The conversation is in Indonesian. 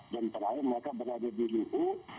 dan terakhir mereka berada di niu